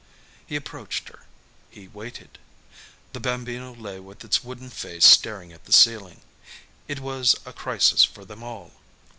He approached her. He waited. The Bambino lay with its wooden face staring at the ceiling. It was a crisis for them all.